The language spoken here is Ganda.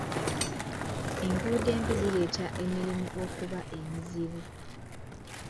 Enguudo embi zireetera emirimu okuba emizibu.